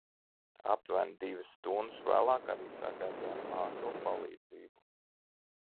Aptuveni divas stundas vēlāk arī sagaidījām ātro palīdzību.